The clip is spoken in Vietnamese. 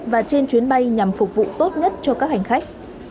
và trên chuyến bay nhằm phục vụ tốt nhất cho các hành khách